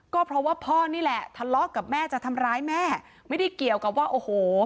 ก็เพราะว่าพ่อนี่แหละทะเลาะกับแม่จะทำร้ายแม่ไม่ได้เกี่ยวกับว่าโอ้โห